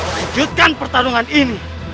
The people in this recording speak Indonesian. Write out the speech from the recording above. wujudkan pertarungan ini